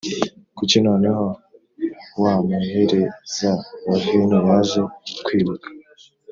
Kuki noneho wa muhereza wa vino yaje kwibuka